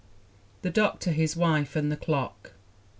The Doctor, His Wife and the Clock.